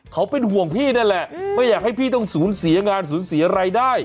เขาเป็นห่วงพี่นั่นแหละไม่อยากให้พี่ต้องสูญเสียงานสูญเสียรายได้